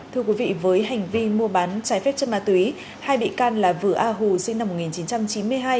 thưa quý vị với hành vi mua bán trái phép chất ma túy hai bị can là vừa a hù sinh năm một nghìn chín trăm chín mươi hai